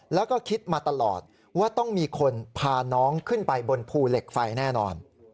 แล้วก็คิดมาตลอดว่าต้องมีคนพาน้องขึ้นไปบนภูเหล็กไฟแน่นอน